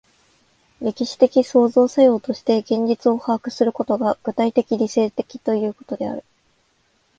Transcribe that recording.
歴史的創造作用として現実を把握することが、具体的理性的ということである。